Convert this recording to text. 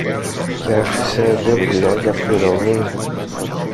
και άφησε δυο πουλιά για πληρωμή.